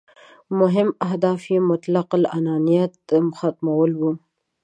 مهم اهداف یې مطلق العنانیت ختمول وو.